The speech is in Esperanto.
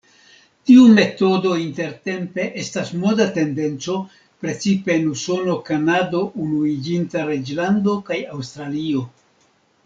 Tiu metodo intertempe estas moda tendenco precipe en Usono, Kanado, Unuiĝinta Reĝlando kaj Aŭstralio.